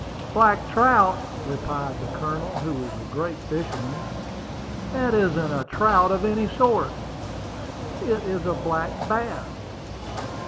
"Black trout!" replied the Colonel, who was a great fisherman. "That isn't a trout of any sort! It is a black bass."